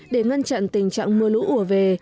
để ngăn chặn tình trạng mưa lũ ủa về